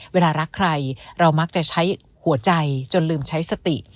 เวลารักใครเรามักจะใช้หัวใจจนลืมใช้สติ